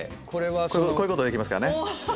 こういうことできますからね。